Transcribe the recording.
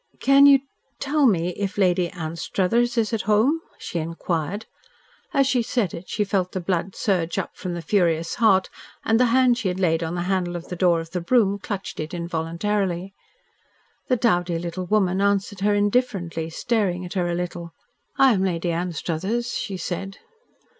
"Can you tell me if Lady Anstruthers is at home?" she inquired. As she said it she felt the blood surge up from the furious heart, and the hand she had laid on the handle of the door of the brougham clutched it involuntarily. The dowdy little woman answered her indifferently, staring at her a little. "I am Lady Anstruthers," she said.